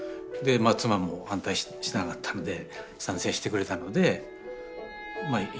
で妻も反対しなかったので賛成してくれたのでまあ